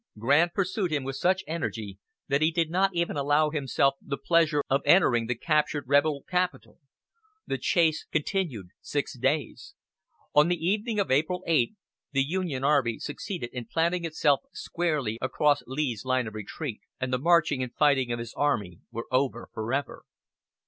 Grant pursued him with such energy that he did not even allow himself the pleasure of entering the captured rebel capital. The chase continued six days. On the evening of April 8 the Union army succeeded in planting itself squarely across Lee's line of retreat; and the marching and fighting of his army were over for ever.